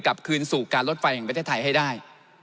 กลับคืนสู่การลดไฟอย่างไม่ได้ถ่ายให้ได้